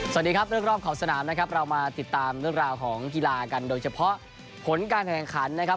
สวัสดีครับเรื่องรอบขอบสนามนะครับเรามาติดตามเรื่องราวของกีฬากันโดยเฉพาะผลการแข่งขันนะครับ